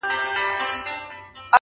او صفت سره وي